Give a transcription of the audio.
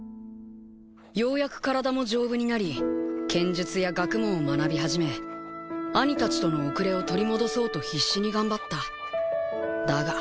ようやく体も丈夫になり剣術や学問を学びはじめ兄たちとの後れを取り戻そうと必死に頑張った。